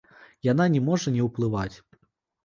Яна не можа не ўплываць.